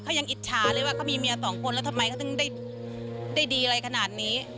เขายังอิจฉาเลยว่าเขามีเมียสองคนแล้วทำไมเขาถึงได้ดีอะไรขนาดนี้